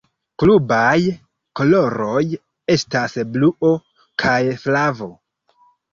Klubaj koloroj estas bluo kaj flavo.